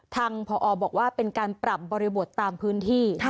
ทางพอบอกว่าเป็นการปรับบริบทตามพื้นที่